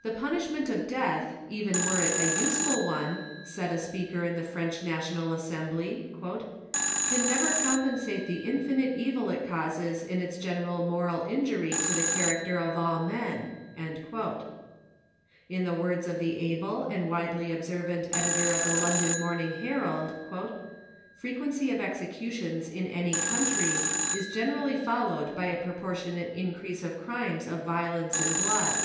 «*The punishment of death, even were it a useful one," said a speaker in the French National Assembly, " can never com pensate the infinite evil it causes in its general moral injury to the character of all men." In the words of the able and widely observant editor of the London Morning Herald, <' frequency of executions in any country is generally followed by a propor tionate increase of crimes of violence and blood.